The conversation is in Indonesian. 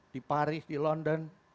di paris di london